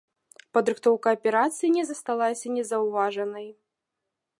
Падрыхтоўка аперацыі не засталася незаўважанай.